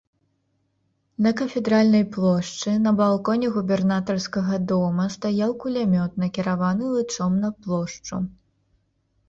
На кафедральнай плошчы, на балконе губернатарскага дома стаяў кулямёт, накіраваны лычом на плошчу.